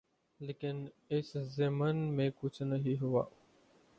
لیکن اس ضمن میں کچھ نہ ہوا